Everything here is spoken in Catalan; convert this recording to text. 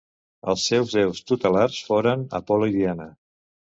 Els seus déus tutelars foren Apol·lo i Diana.